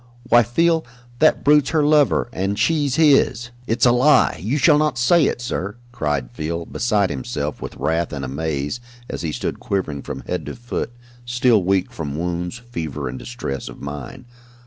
Why, Field, that brute's her lover, and she's his " "It's a lie! You shall not say it, sir!" cried Field, beside himself with wrath and amaze, as he stood quivering from head to foot, still weak from wounds, fever and distress of mind.